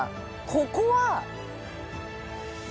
ここは。